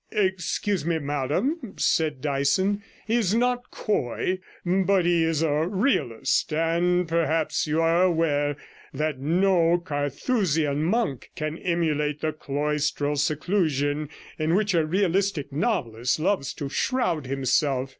'Excuse me, madam,' said Dyson, 'he is not coy, but he is a realist; and perhaps you are aware that no Carthusian monk can emulate the cloistral seclusion in which a realistic novelist loves to shroud himself.